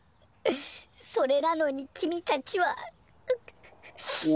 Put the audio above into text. それなのに君たちはうっ。